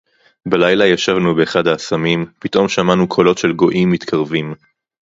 בַּלַּיְלָה יָשַׁבְנוּ בְּאַחַד הָאֲסָמִים. פִּתְאֹם שָׁמַעְנוּ קוֹלוֹת שֶׁל גּוֹיִים מִתְקָרְבִים.